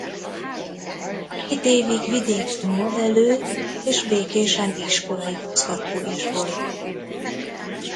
Két évig vidéken nevelő és Békésen iskolaigazgató is volt.